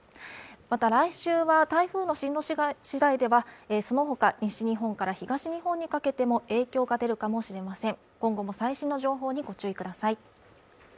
また来週は台風の進路次第ではそのほか西日本から東日本にかけても影響が出るかもしれません今後も最新の情報にご注意ください